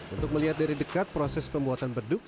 untuk melihat dari dekat proses pembuatan beduk